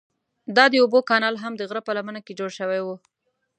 دا د اوبو کانال هم د غره په لمنه کې جوړ شوی و.